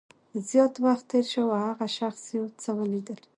زیات وخت تېر شو او هغه شخص یو څه ولیدل